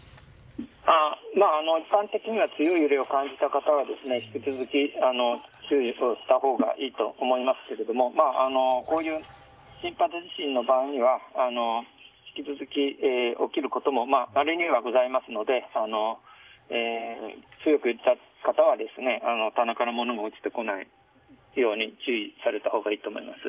一般的には強い揺れを感じた方は引き続き注意をしたほうがいいかと思いますけどもこういう深発自身の場合は引き続き起きることもまれにございますので強く揺れた方は棚から物が落ちてこないように注意されたほうがいいと思います。